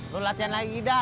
lu latihan lagi dah